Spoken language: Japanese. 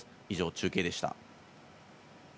以上、中継でした。